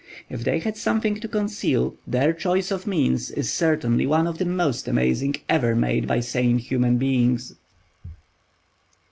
If they had something to conceal, their choice of means is certainly one of the most amazing ever made by sane human beings.